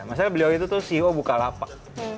maksudnya beliau itu tuh ceo bukalapak